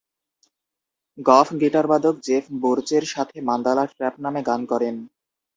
গফ গিটারবাদক জেফ বুর্চের সাথে মান্দালা ট্র্যাপ নামে গান করেন।